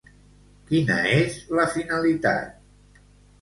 Quina és la finalitat?